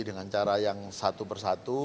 dengan cara yang satu persatu